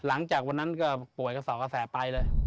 หลังจากนั้นก็ป่วยกระสอบกระแสไปเลย